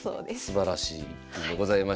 すばらしい逸品でございました。